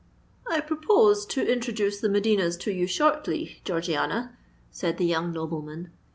"I propose to introduce the Medinas to you shortly, Georgiana," said the young nobleman.